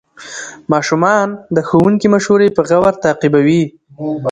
ماشومان د ښوونکي مشورې په غور تعقیبوي